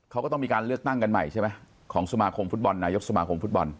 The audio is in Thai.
เขาก็ต้องมีการเลือกตั้งกันใหม่ใช่ไหมของสมาคมฟุตบอลนายกสมาคมฟุตบอล